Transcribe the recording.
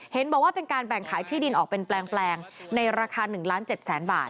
เห็นบอกว่าเป็นการแบ่งขายที่ดินออกเป็นแปลงในราคา๑ล้าน๗แสนบาท